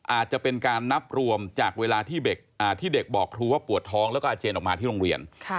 อาจจะเป็นการนับรวมจากเวลาที่เด็กที่เด็กบอกครูว่าปวดท้องแล้วก็อาเจนออกมาที่โรงเรียน